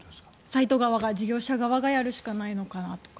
サイト側、事業者側がやるしかないのかなと。